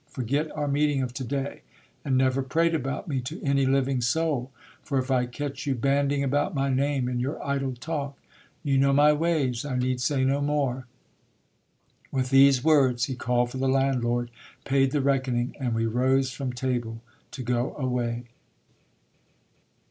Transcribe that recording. Forget our meeting of to day, and never prate about me to any living soul ; for if I catch you bandying about my name in your idle talk you know my ways, I need say no more. With these words he called for the landlord, paid the reckoning, and we rose from table to go away.